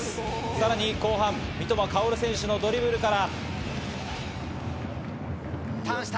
さらに後半、三笘薫選手のドリブルから。